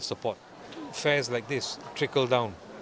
pemerintah seperti ini menurun